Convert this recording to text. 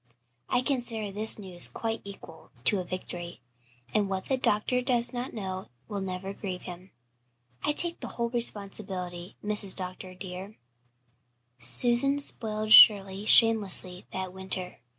I consider this news quite equal to a victory, and what the doctor does not know will never grieve him. I take the whole responsibility, Mrs. Dr. dear, so do not you vex your conscience." Susan spoiled Shirley shamelessly that winter.